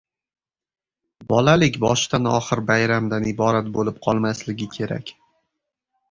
Bolalik boshdan-oxir bayramdan iborat bo‘lib qolmasligi kerak.